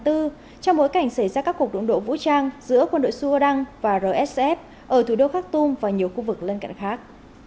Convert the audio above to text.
trong bối cảnh xảy ra các cuộc đụng độ vũ trang giữa quân đội sudan và rsf ở thủ đô khak tum và nhiều khu vực lân cận khác